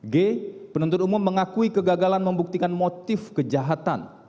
g penuntut umum mengakui kegagalan membuktikan motif kejahatan